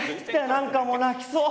何かもう泣きそう！